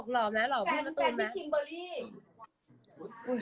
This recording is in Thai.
แฟนมีคิมเบอร์รี่